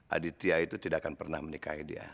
aditya itu tidak akan pernah menikahi dia